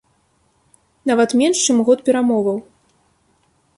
Нават менш, чым у год перамоваў.